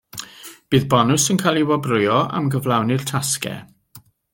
Bydd bonws yn cael ei wobrwyo am gyflawni'r tasgau.